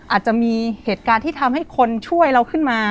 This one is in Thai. อาจจะมีเหตุการณ์ที่ทำให้คนช่วยเราขึ้นมา